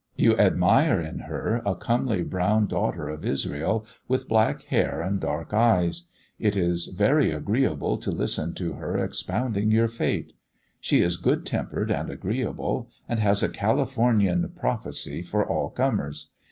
You admire in her a comely brown daughter of Israel, with black hair and dark eyes; it is very agreeable to listen to her expounding your fate. She is good tempered and agreeable, and has a Californian prophecy for all comers.